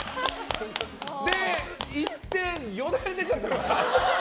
で、いってよだれ出ちゃってるから。